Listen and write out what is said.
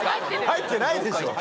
入ってないでしょ。